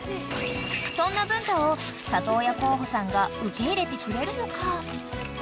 ［そんな文太を里親候補さんが受け入れてくれるのか？］